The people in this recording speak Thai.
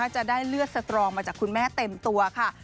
จะได้เลือดสตรองมาจากคุณแม่เต็มตัวค่ะ